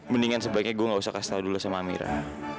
mendingan sebaiknya gue gak usah kasih tau dulu sama mira